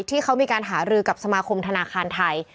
ที่เขามีการหารือกับสมาคมธนาคารไทย